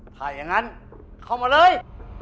ถ้าอย่างนั้นเข้ามาเลย